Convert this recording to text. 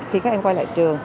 khi các em quay lại trường